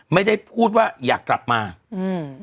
ไม่ได้พูดว่าอยากกลับมาอืม